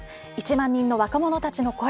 １万人の若者たちの声